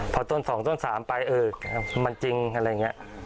พอต้น๒ต้น๓ไปเออมันจริงอะไรอย่างนี้